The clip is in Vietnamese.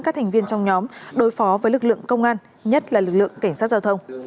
các thành viên trong nhóm đối phó với lực lượng công an nhất là lực lượng cảnh sát giao thông